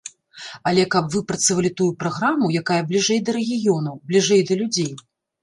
Але каб выпрацавалі тую праграму, якая бліжэй да рэгіёнаў, бліжэй да людзей.